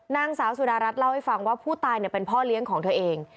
นางสาวสุดารัฐเล่าให้ฟังว่าผู้ตายเป็นพ่อเลี้ยงของเธอเอง